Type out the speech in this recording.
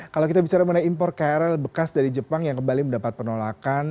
kalau kita bicara mengenai impor krl bekas dari jepang yang kembali mendapat penolakan